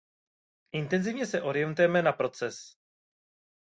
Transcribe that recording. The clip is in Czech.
Intenzivně se orientujeme na proces.